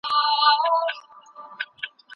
موږ باید د پخوانیو پېښو څخه عبرت واخلو.